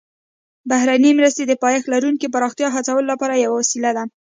بهرنۍ مرستې د پایښت لرونکي پراختیا هڅولو لپاره یوه وسیله ده